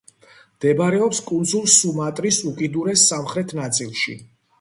მდებარეობს კუნძულ სუმატრის უკიდურეს სამხრეთ ნაწილში.